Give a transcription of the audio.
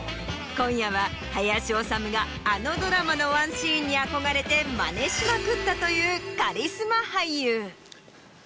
今夜は林修があのドラマのワンシーンに憧れてマネしまくったというカリスマ俳優。